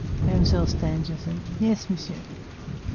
"Mademoiselle Stangerson. Yes, monsieur.